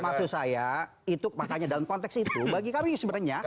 maksud saya itu makanya dalam konteks itu bagi kami sebenarnya